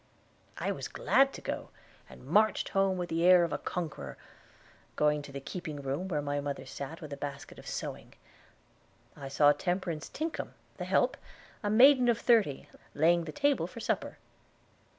I was glad to go, and marched home with the air of a conqueror, going to the keeping room where mother sat with a basket of sewing. I saw Temperance Tinkham, the help, a maiden of thirty, laying the table for supper.